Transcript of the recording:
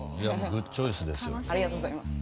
グッチョイスですよ。